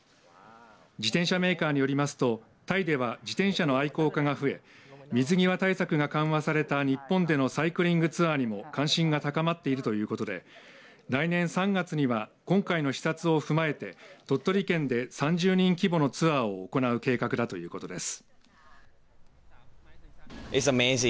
自転車メーカーによりますとタイでは自転車の愛好家が増え水際対策が緩和された日本でのサイクリングツアーにも関心が高まっているということで来年３月には今回の視察を踏まえて鳥取県で３０人規模のツアーを行う計画だということです。